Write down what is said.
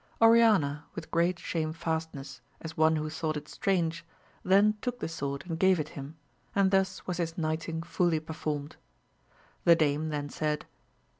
Oriana with great shamefastness, as one who thought it strange, then took the sword and gave it him, and tiiins was his knighting fully performed. The dame then said.